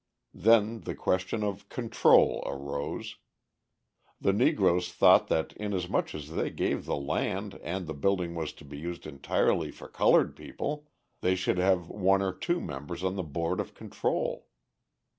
Then the question of control arose. The Negroes thought that inasmuch as they gave the land and the building was to be used entirely for coloured people, they should have one or two members on the board of control.